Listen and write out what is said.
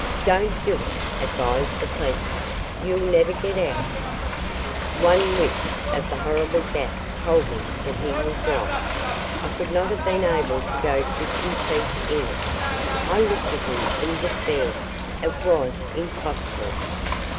"Don't do it," advised the policeman. "You'll never get out." One whiff of the horrible gas told me that he was right. I should not have been able to go fifty feet in it. I looked at him in despair. It was impossible.